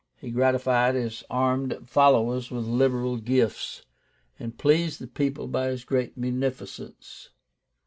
He gratified his armed followers with liberal gifts, and pleased the people by his great munificence.